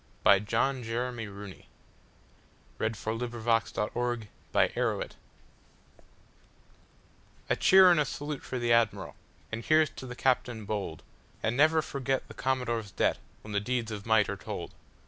By John JeromeRooney 1575 The Men behind the Guns A CHEER and salute for the Admiral, and here 's to the Captain bold, And never forget the Commodore's debt when the deeds of might are told!